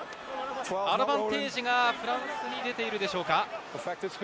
アドバンテージがフランスに出ているでしょうか。